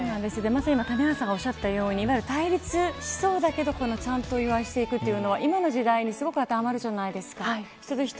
まさに今谷原さんがおっしゃったように対立しそうだけどちゃんと友愛していくというのは今の時代に、すごく当てはまるじゃないですか。